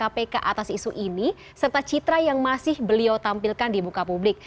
kpk atas isu ini serta citra yang masih beliau tampilkan di buka publik